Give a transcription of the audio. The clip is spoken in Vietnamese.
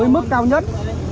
mức cao nhất